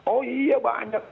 oh iya banyak